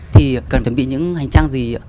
thì cần chuẩn bị những hành trang gì ạ